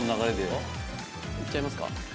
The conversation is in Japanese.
いっちゃいますか。